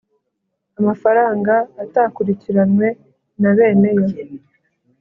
Amafaranga atakurikiranwe na bene yo